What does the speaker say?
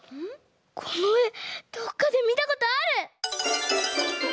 このえどっかでみたことある！